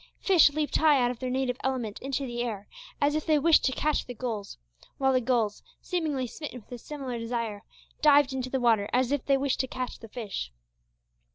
Fish leaped high out of their native element into the air, as if they wished to catch the gulls, while the gulls, seemingly smitten with a similar desire, dived into the water as if they wished to catch the fish.